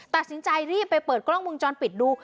ตัดสินใจรีบไปเปิดกล้องวงจรปิดดู